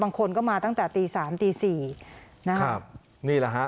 บางคนก็มาตั้งแต่ตีสามตีสี่นะครับนี่แหละฮะ